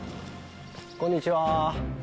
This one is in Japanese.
こんにちは。